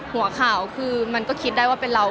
หัวข่าวคือมันก็คิดได้ว่าเป็นเรา